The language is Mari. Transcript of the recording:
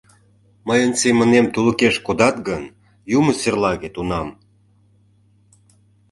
Мыйын семынем тулыкеш кодат гын, юмо серлаге тунам!